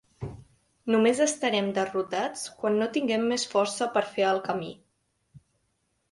Només estarem derrotats quan no tinguem més força per fer el camí.